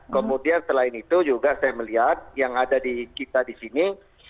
kemudian selain itu juga saya melihat yang ada di kita di sini